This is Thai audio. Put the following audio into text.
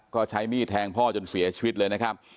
ก็ใช้มีดแทงพ่อจนเสียชีวิตเลยนะครับ